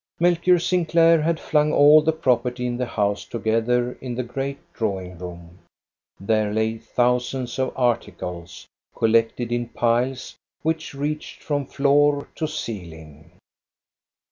Melchior Sinclair had flung all the property in the 144 THE STORY OF GOSTA BERLING house together in the great drawing room. There lay thousands of articles, collected in piles, which reached from floor to ceiling.